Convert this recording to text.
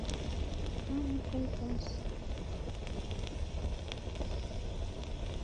Wanekwa irasi